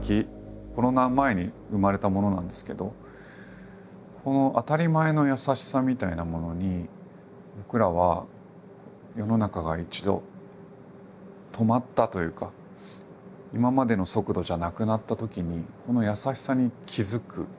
コロナ前に生まれたものなんですけどこの当たり前の優しさみたいなものに僕らは世の中が一度止まったというか今までの速度じゃなくなったときにこの優しさに気付く。